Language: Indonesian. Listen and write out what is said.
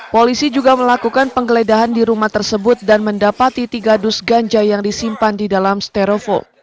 polisi juga melakukan penggeledahan di rumah tersebut dan mendapati tiga dus ganja yang disimpan di dalam stereofo